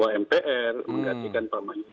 mbak titi juga mpr menggantikan pak mani